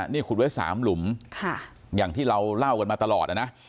นี่ขุดไว้๓หลุมอย่างที่เราเล่ากันมาตลอดนะ